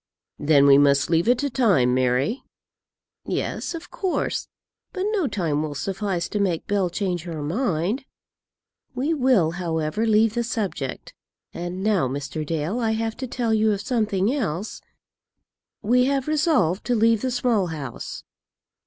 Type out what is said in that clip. "Then we must leave it to time, Mary." "Yes, of course; but no time will suffice to make Bell change her mind. We will, however, leave the subject. And now, Mr. Dale, I have to tell you of something else; we have resolved to leave the Small House."